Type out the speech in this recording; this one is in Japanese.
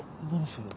それ。